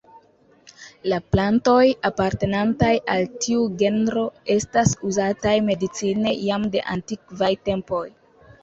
La plantoj apartenantaj al tiu genro estas uzataj medicine jam de antikvaj tempoj.